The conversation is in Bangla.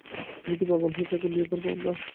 তুমি কি পাগল হয়েছ এখন বিয়ে করব আমরা?